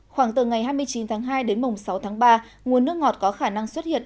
khoảng từ ngày hai mươi chín tháng hai đến mùng sáu tháng ba nguồn nước ngọt có khả năng xuất hiện